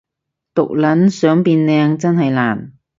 毒撚想變靚真係難